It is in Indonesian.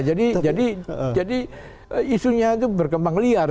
jadi isunya itu berkembang liar